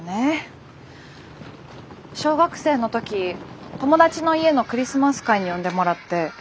小学生の時友達の家のクリスマス会に呼んでもらって。